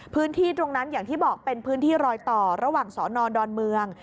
พื้นที่ตรงนั้นอย่างที่บอกเป็นพื้นที่รอยต่อระหว่างสอนอดอนเมือง